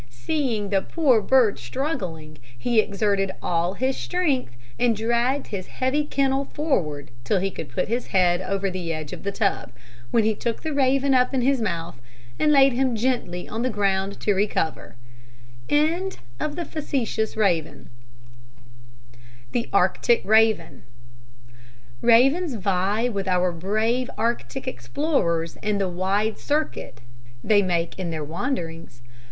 Seeing the poor bird struggling, he exerted all his strength, and dragged his heavy kennel forward till he could put his head over the edge of the tub, when he took the raven up in his mouth and laid him gently on the ground to recover. THE ARCTIC RAVEN. Ravens vie with our brave Arctic explorers in the wide circuit they make in their wanderings.